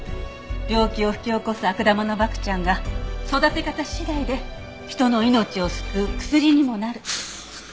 病気を引き起こす悪玉のバクちゃんが育て方次第で人の命を救う薬にもなる。